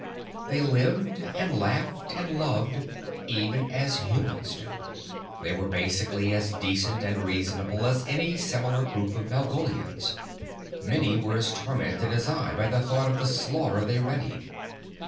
They lived and laughed and loved even as humans do. They were basically as decent and reasonable as any similar group of Valgolians. Many were as tormented as I by the thought of the slaughter they readied.